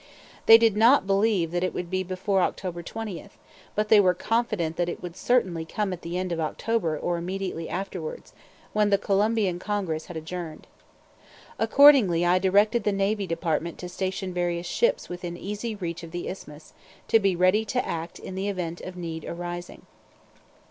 They did not believe that it would be before October 20, but they were confident that it would certainly come at the end of October or immediately afterwards, when the Colombian Congress had adjourned. Accordingly I directed the Navy Department to station various ships within easy reach of the Isthmus, to be ready to act in the event of need arising.